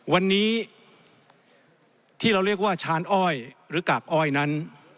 วันนี้ที่เราเรียกว่าชานอ้อยหรือกากอ้อยนั้น